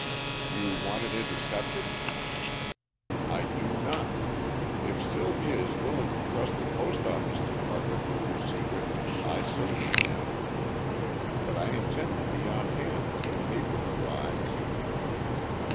"You want it intercepted?" "I do not! If Sylvia is willing to trust the Post office Department with her secret, I certainly am. But I intend to be on hand when that paper arrives."